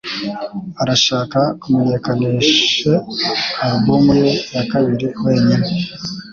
arashaka kumenyekanishe alubumu ye ya kabiri wenyine